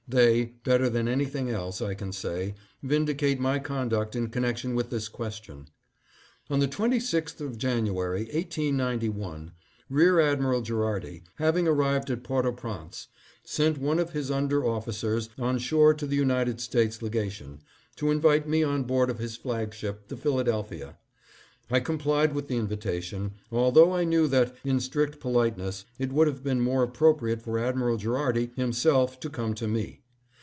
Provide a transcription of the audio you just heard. They, better than anything else I can say, vindi cate my conduct in connection with this question. " On the 26th of January, 1891, Rear Admiral Ghe rardi, having arrived at Port au Prince, sent one of his under officers on shore to the United States Legation, to invite me on board of his flagship, the Philadelphia. I THE FACTS ABOUT THE MOLE ST. NICOLAS. 733 complied with the invitation, although I knew that, in strict politeness, it would have been more appropriate for Admiral Gherardi himself to come to me.